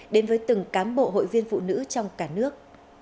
đến với từng cám bộ hội viên phụ nữ trong cả nước